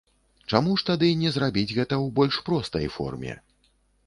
Чаму ж тады не зрабіць гэта ў больш простай форме?